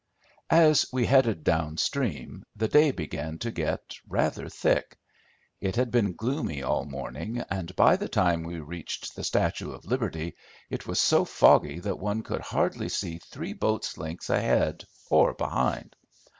As we headed down stream the day began to get rather thick. It had been gloomy all morning, and by the time we reached the Statue of Liberty it was so foggy that one could hardly see three boats' length ahead or behind.